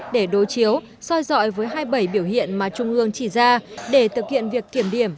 để đối chiếu soi dọi với hai mươi bảy biểu hiện mà trung ương chỉ ra để thực hiện việc kiểm điểm